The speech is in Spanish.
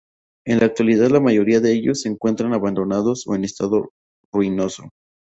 En la actualidad la mayoría de ellos se encuentran abandonados o en estado ruinoso.